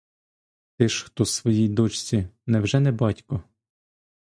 Ти ж хто своїй дочці, невже не батько?